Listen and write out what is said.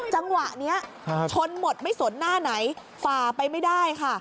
จังหวะนี้ชนหมดไม่สนหน้าไหนฝ่าไปไม่ได้ค่ะ